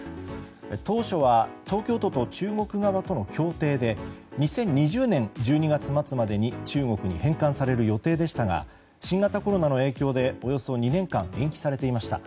当初は東京都と中国側との協定で２０２０年１２月末までに中国に返還される予定でしたが新型コロナの影響でおよそ２年間延期されていました。